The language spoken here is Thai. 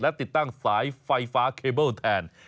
และติดตั้งสายไฟฟ้าเคเบิลแทน